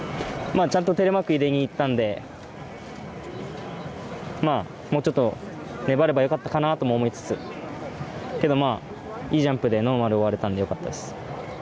ちゃんとテレマークを入れにいったんで、もうちょっと粘ればよかったかなとも思いつつ、けど、いいジャンプでノーマルを終えられたんで、よかったです。